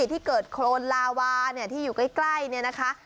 ที่เกิดโครนลาวาที่อยู่ใกล้เนี่ยนะคะ